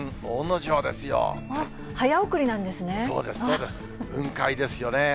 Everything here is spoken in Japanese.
そうです、そうです、雲海ですよね。